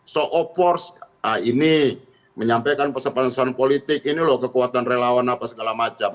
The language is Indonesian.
so of force ini menyampaikan pesan pesan politik ini loh kekuatan relawan apa segala macam